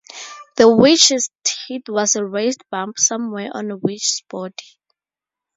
The witches' teat was a raised bump somewhere on a witch's body.